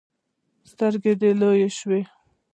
سترګې يې لویې شوې.